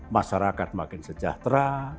masyarakat makin sejahtera